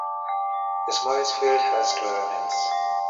The smallest field has two elements.